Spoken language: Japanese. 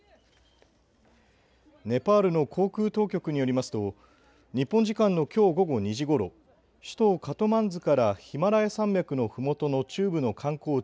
ネパールの航空当局によりますと日本時間のきょう午後２時ごろ首都カトマンズからヒマラヤ山脈のふもとの中部の観光地